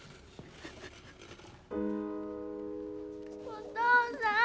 お父さん。